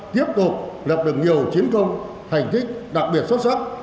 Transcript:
tiếp tục lập được nhiều chiến công thành tích đặc biệt xuất sắc